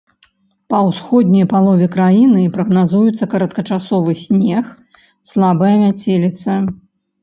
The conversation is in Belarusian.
Па ўсходняй палове краіны прагназуецца кароткачасовы снег, слабая мяцеліца.